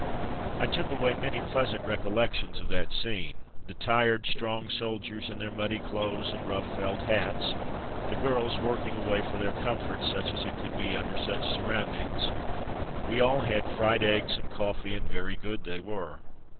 I took away many pleasant recollections of that scene. The tired, strong soldiers in their muddy clothes and rought felt hats, the girls working away for their comfort, such as it could be, under such surroundings. We all had fried eggs and coifTee and very good they were.